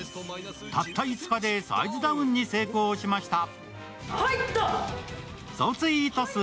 たった５日でサイズダウンに成功しました。